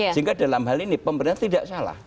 sehingga dalam hal ini pemerintah tidak salah